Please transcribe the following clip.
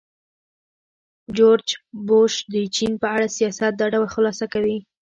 جورج بوش د چین په اړه سیاست دا ډول خلاصه کوي.